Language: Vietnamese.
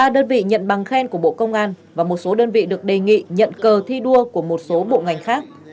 ba đơn vị nhận bằng khen của bộ công an và một số đơn vị được đề nghị nhận cờ thi đua của một số bộ ngành khác